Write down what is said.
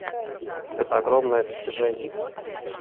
Это — огромное достижение.